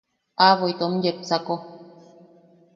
Aʼabo itom yepsako.